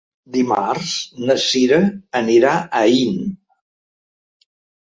Dimarts na Cira anirà a Aín.